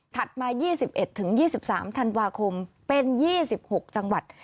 มา๒๑๒๓ธันวาคมเป็น๒๖จังหวัด